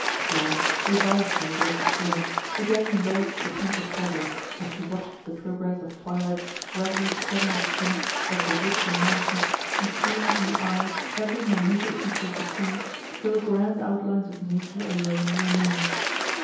Blanche, revived by this assurance, again indulged a pensive pleasure, as she watched the progress of twilight gradually spreading its tints over the woods and mountains, and stealing from the eye every minuter feature of the scene, till the grand outlines of nature alone remained.